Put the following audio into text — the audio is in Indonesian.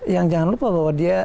yang jangan lupa bahwa dia